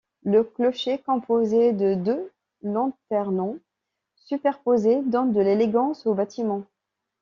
Le clocher, composé de deux lanternons superposés, donne de l'élégance au bâtiment.